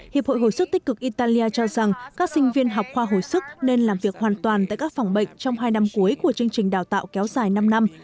hiệp hội hồi sức tích cực italia cho rằng các sinh viên học khoa hồi sức nên làm việc hoàn toàn tại các phòng bệnh trong hai năm cuối của chương trình đào tạo kéo dài năm năm